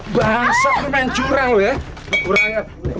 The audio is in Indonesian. bahasa mencurang ya